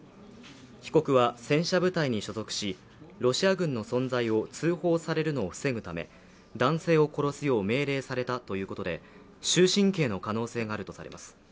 被告は戦車部隊に所属し、ロシア軍の存在を通報されるのを防ぐため男性を殺すよう命令されたということで終身刑の可能性があるということです。